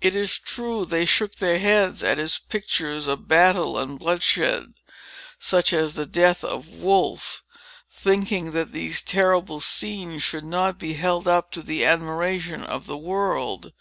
It is true, they shook their heads at his pictures of battle and bloodshed, such as the Death of Wolfe,—thinking that these terrible scenes should not be held up to the admiration of the world.